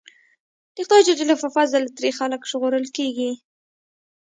د خدای ج په فضل ترې خلک ژغورل کېږي.